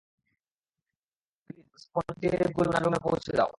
Please, Mrs পন্টিনির ব্যাগগুলো উনার রুমে পৌঁছে দাও।